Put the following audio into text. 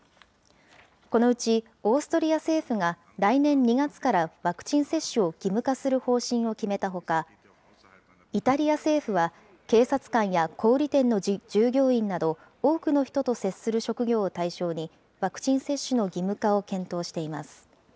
このうちオーストリア政府が、来年２月からワクチン接種を義務化する方針を決めたほか、イタリア政府は、警察官や小売り店の従業員など、多くの人と接する職業を対象に、ワクチン接種の義務化を検討しています。